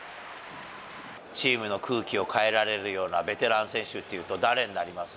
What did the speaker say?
チームの空気を変えられるようなベテラン選手っていうと、誰になります？